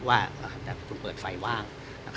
ว่าผมเปิดไฟว่าง